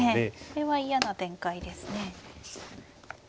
これは嫌な展開ですね。